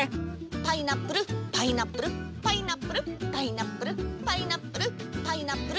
パイナップルパイナップルパイナップルパイナップルパイナップル。